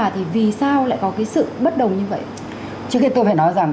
trước khi tôi phải nói rằng